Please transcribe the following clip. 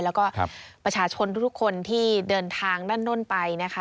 แล้วก็ประชาชนทุกคนที่เดินทางด้านโน่นไปนะคะ